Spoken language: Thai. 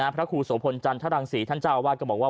พระครูโสพลจันทรังศรีท่านเจ้าอาวาสก็บอกว่า